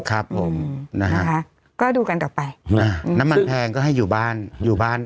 ครับผมนะฮะก็ดูกันต่อไปอ่าน้ำมันแพงก็ให้อยู่บ้านอยู่บ้าน